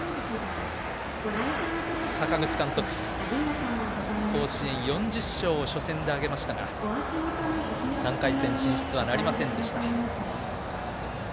阪口監督、甲子園４０勝を初戦で挙げましたが３回戦進出はなりませんでした。